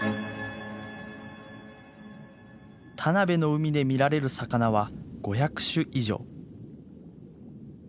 田辺の海で見られる魚は５００種以上。